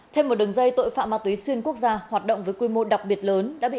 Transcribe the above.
thêm một đường dây tội phạm ma túy xuyên quốc gia hoạt động với quy mô đặc biệt lớn đã bị